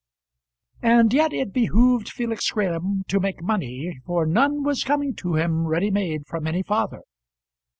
And yet it behoved Felix Graham to make money, for none was coming to him ready made from any father.